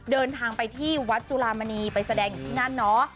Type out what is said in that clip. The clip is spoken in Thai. เดินทางไปที่วัดจุลามณีไปแสดงคืนั่นนอ